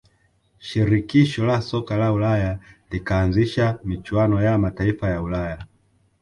shirikisho la soka la ulaya likaanzisha michuano ya mataifa ya ulaya